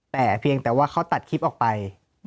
แต่เพียงแต่ว่าเขาตัดคลิปออกไป